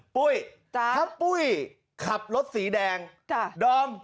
ปุ้ยถ้าปุ้ยขับรถสีแดงดอม